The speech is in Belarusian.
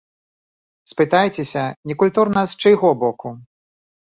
Спытаецеся, некультурна з чыйго боку?